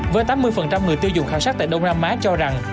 với tám mươi người tiêu dùng khảo sát tại đông nam á cho rằng